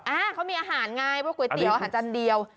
อ่าเขามีอาหารไงเพราะก๋วยเตี๋ยวอาหารจานเดียว